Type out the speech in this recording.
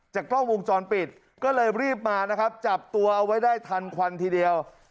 กล้องวงจรปิดก็เลยรีบมานะครับจับตัวเอาไว้ได้ทันควันทีเดียว